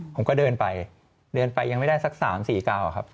ผมก็เดินไปยังไม่ได้สัก๓๔ก้าวครับ